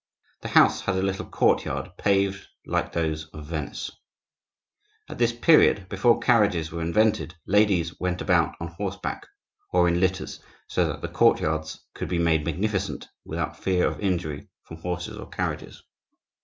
The house had a little courtyard, paved like those of Venice. At this period, before carriages were invented, ladies went about on horseback, or in litters, so that courtyards could be made magnificent without fear of injury from horses or carriages.